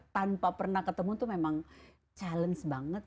tanpa pernah ketemu tuh memang challenge banget